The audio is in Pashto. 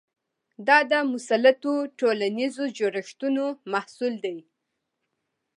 دا د مسلطو ټولنیزو جوړښتونو محصول دی.